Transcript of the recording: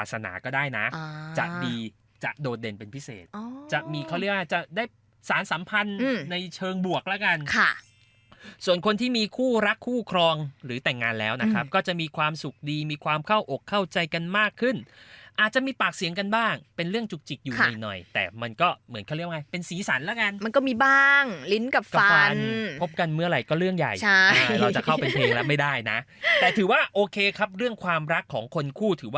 สารสัมพันธ์ในเชิงบวกแล้วกันค่ะส่วนคนที่มีคู่รักคู่ครองหรือแต่งงานแล้วนะครับก็จะมีความสุขดีมีความเข้าอกเข้าใจกันมากขึ้นอาจจะมีปากเสียงกันบ้างเป็นเรื่องจุกจิกอยู่หน่อยแต่มันก็เหมือนเขาเรียกว่าเป็นสีสันแล้วกันมันก็มีบ้างลิ้นกับฟันพบกันเมื่อไหร่ก็เรื่องใหญ่เราจะเข้าเป็นเพลงแล้